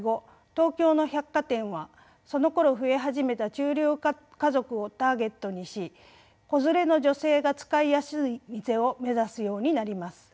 東京の百貨店はそのころ増え始めた中流家族をターゲットにし子連れの女性が使いやすい店を目指すようになります。